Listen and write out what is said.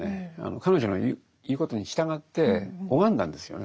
彼女の言うことに従って拝んだんですよね